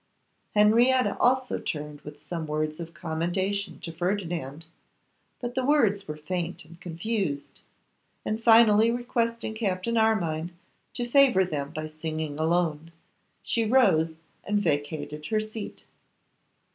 Henrietta also turned with some words of commendation to Ferdinand; but the words were faint and confused, and finally requesting Captain Armine to favour them by singing alone, she rose and vacated her seat.